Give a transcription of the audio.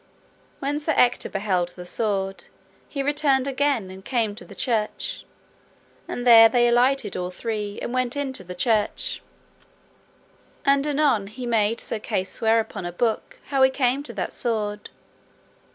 When Sir Ector beheld the sword, he returned again and came to the church, and there they alighted all three, and went into the church. And anon he made Sir Kay swear upon a book how he came to that sword.